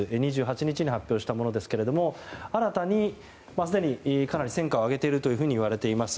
２８日に発表したものですが新たにすでにかなり戦果を挙げているといわれています